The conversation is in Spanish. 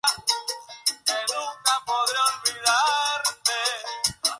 Escribió una tesis sobre "La ontología de Hegel y la teoría de la historicidad".